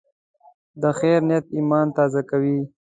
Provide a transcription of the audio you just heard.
د خیر نیت ایمان تازه کوي.